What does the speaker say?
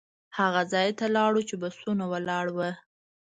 هغه ځای ته لاړو چې بسونه ولاړ وو.